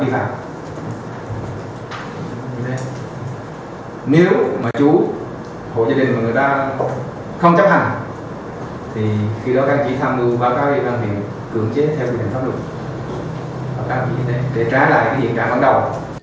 để trả lại cái diện trạng bắt đầu